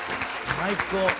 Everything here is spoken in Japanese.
最高。